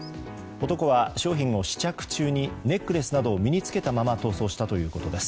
男は商品を試着中にネックレスなどを身に着けたまま逃走したということです。